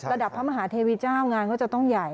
พระมหาเทวีเจ้างานก็จะต้องใหญ่